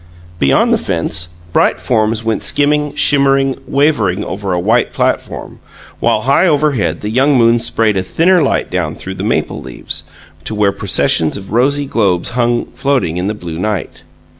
Beyond the fence, bright forms went skimming, shimmering, wavering over a white platform, while high overhead the young moon sprayed a thinner light down through the maple leaves, to where processions of rosy globes hung floating in the blue night.